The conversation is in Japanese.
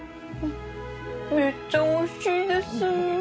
めっちゃおいしいです。